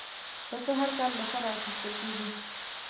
پسه هر کال له سره اخېستل کېږي.